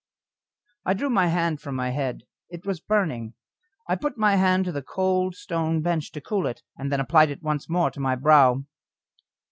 I drew my hand from my head. It was burning. I put my hand to the cold stone bench to cool it, and then applied it once more to my brow.